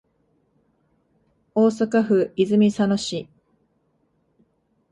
大阪府泉佐野市